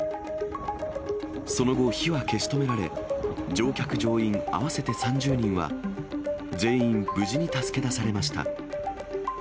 その後、火は消し止められ、乗客・乗員合わせて３０人は、全員、無事に助け出されました。